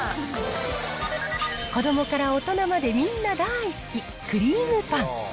子どもから大人まで、みんな大好きクリームパン。